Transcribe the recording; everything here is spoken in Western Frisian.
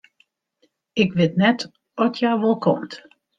Ik wit net oft hja wol komt.